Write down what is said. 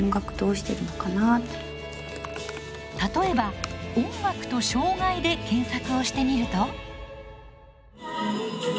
例えば「音楽」と「障がい」で検索をしてみると。